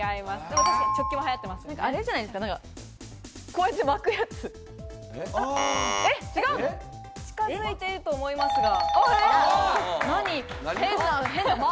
こうや近づいていると思いますが。